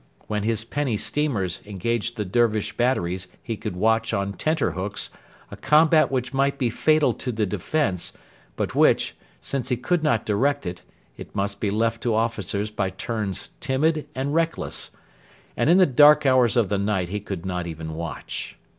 When his 'penny steamers' engaged the Dervish batteries he would watch, 'on tenter hooks,' a combat which might be fatal to the defence, but which, since he could not direct it, must be left to officers by turns timid and reckless: and in the dark hours of the night he could not even watch.